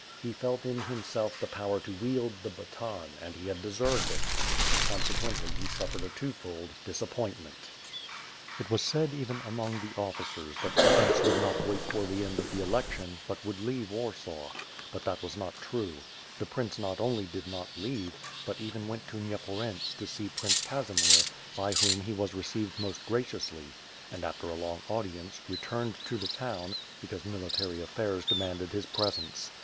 He felt in himself the power to wield the baton and he had deserved it; consequently he suffered a two fold disappointment. It was said even among the officers that the prince would not wait for the end of the election, but would leave Warsaw; but that was not true — ^the prince not only did not leave, but even went to Nyeporents to see Prince Casimir, by whom he was received most graciously; and, after a long audience, re turned to the town, because military affairs demanded his presence.